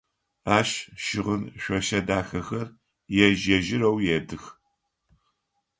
Ащ щыгъын шъошэ дахэхэр ежь-ежьырэу едых.